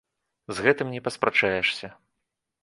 З гэтым не паспрачаешся.